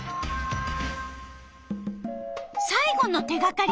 さい後の手がかり